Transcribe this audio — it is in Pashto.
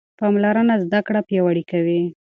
پاملرنه زده کړه پیاوړې کوي.